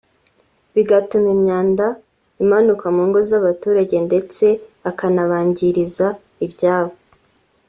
bigatuma imyanda imanuka mu ngo z’abaturage ndetse akanabangiriza ibyabo